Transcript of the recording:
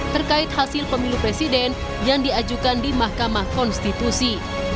terkait hasil pemilu presiden yang diajukan di mahkamah konstitusi